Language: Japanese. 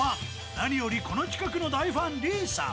何よりこの企画の大ファン李さん。